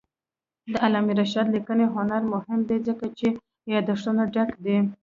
د علامه رشاد لیکنی هنر مهم دی ځکه چې یادښتونه ډک دي.